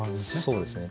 そうですね。